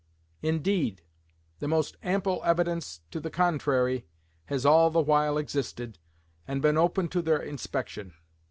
Indeed, the most ample evidence to the contrary has all the while existed and been open to their inspection.